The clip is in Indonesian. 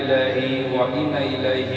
kakak yang fospek